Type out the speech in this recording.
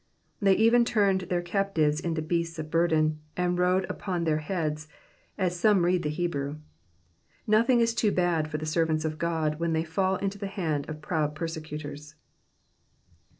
They eren tamed their captives into beasts of harden, and rode apon their heads, as some read the Hebrew. Kothing is too barl for the servants of God when they fall into the hands cf proud persecutors.